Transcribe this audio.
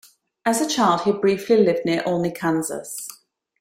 As a child, he briefly lived near Aulne, Kansas.